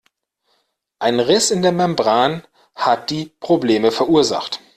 Ein Riss in der Membran hat die Probleme verursacht.